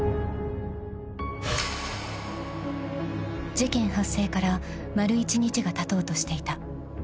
［事件発生から丸１日がたとうとしていた］